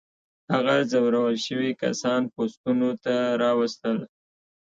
هغه ځورول شوي کسان پوستونو ته راوستل.